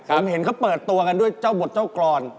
ผมเห็นเขาเปิดตัวกันด้วยเจ้าบทเจ้ากรอน